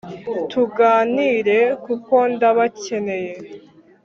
tuganire kuko ndabakeneye”